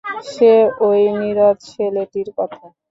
সে ঐ নীরদ ছেলেটির কথা।